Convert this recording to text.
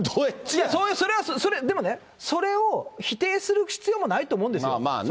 それはでもね、それを否定する必要もないと思うんですよ。